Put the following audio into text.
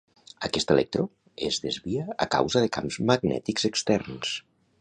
Aquest electró es desvia a causa de camps magnètics externs.